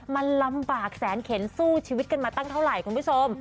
มันลำบากแสนเข็นสู้ชีวิตกันมาตั้งเท่าไหร่คุณผู้ชม